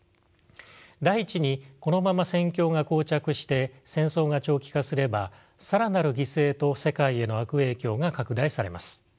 第１にこのまま戦況が膠着して戦争が長期化すれば更なる犠牲と世界への悪影響が拡大されます。